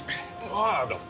ああどうも。